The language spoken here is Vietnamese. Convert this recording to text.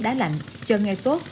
đá lạnh chơi ngay tốt